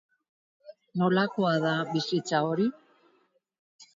Nolakoa da bizitza hori?